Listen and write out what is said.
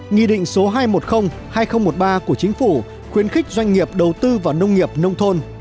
nghị định số hai trăm một mươi hai nghìn một mươi ba của chính phủ khuyến khích doanh nghiệp đầu tư vào nông nghiệp nông thôn